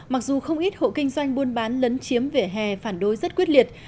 mặc dù không ít hộ kinh doanh buôn bán lấn chiếm vỉa hè phản đối rất quyết liệt